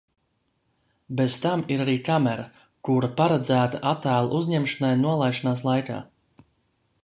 Bez tam ir arī kamera, kura paredzēta attēlu uzņemšanai nolaišanās laikā.